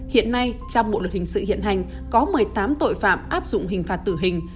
hiện nay trong bộ luật hình sự hiện hành có một mươi tám tội phạm áp dụng hình phạt tử hình